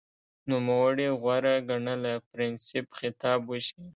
نوموړي غوره ګڼله پرنسېپ خطاب وشي